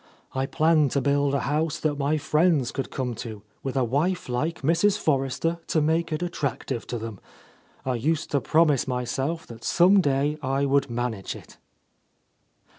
I planned to build a house that my friends could come to, with a wife like Mrs. Forrester to make it attractive to them. I used to promise myself that some day I would manage it."